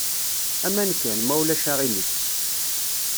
Aman kan, ma ulac aɣilif.